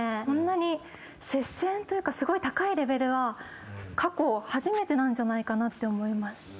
こんなに接戦というか高いレベルは過去初めてなんじゃないかなって思います。